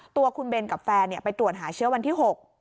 ตัวคุณเบนกับแฟนไปตรวจหาเชื้อวันที่๖